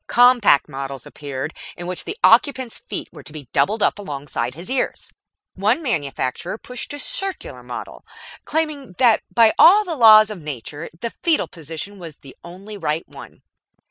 Compact models appeared, in which the occupant's feet were to be doubled up alongside his ears. One manufacturer pushed a circular model, claiming that by all the laws of nature the foetal position was the only right one.